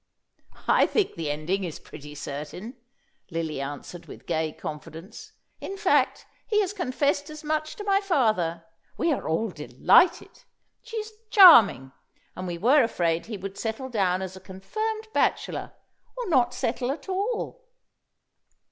"I think the ending is pretty certain," Lily answered with gay confidence. "In fact, he has confessed as much to my father. We are all delighted. She is charming; and we were afraid he would settle down as a confirmed bachelor, or not settle at all."